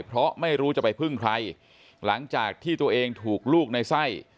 เพราะไม่รู้จะไปพึ่งใครหลังจากที่ตัวเองถูกลูกในไส้